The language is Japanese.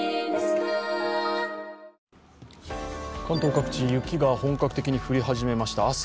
関東各地、雪が本格的に降り始めました。